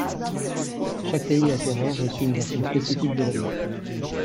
Chaque pays acquéreur reçut une version spécifique de l'avion.